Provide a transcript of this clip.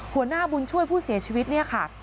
หัวหน้าบุญช่วยผู้เสียชีวิตเนี่ยค่ะ